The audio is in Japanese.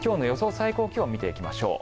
最高気温見ていきましょう。